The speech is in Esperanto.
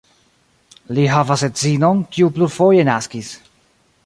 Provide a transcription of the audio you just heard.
Li havas edzinon, kiu plurfoje naskis.